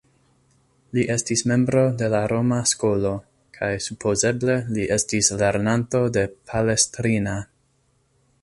Li estis membro de la Roma Skolo, kaj supozeble li estis lernanto de Palestrina.